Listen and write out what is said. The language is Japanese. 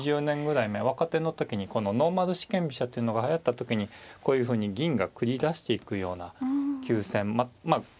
２０年ぐらい前若手の時にこのノーマル四間飛車っていうのがはやった時にこういうふうに銀が繰り出していくような急戦まあ